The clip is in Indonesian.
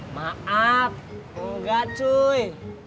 maaf enggak cuy